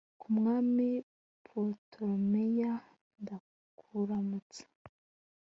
ku mwami putolemeyi, ndakuramutsa